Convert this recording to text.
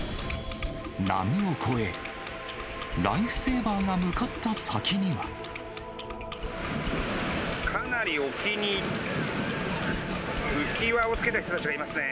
波を越え、ライフセーバーがかなり沖に、浮き輪をつけた人たちがいますね。